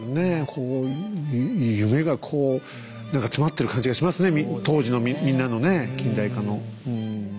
こう夢がこう何かつまってる感じがしますね当時のみんなのね近代化のうん。